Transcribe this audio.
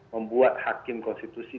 membuat hakim konstitusi